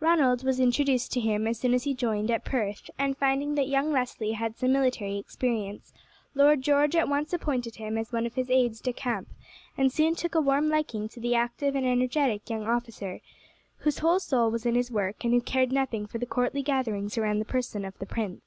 Ronald was introduced to him as soon as he joined at Perth, and finding that young Leslie had had some military experience, Lord George at once appointed him one of his aides de camp, and soon took a warm liking to the active and energetic young officer, whose whole soul was in his work, and who cared nothing for the courtly gatherings around the person of the prince.